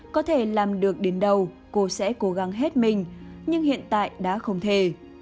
có thể làm được đến đâu cô sẽ cố gắng hết mình nhưng hiện tại đã không thể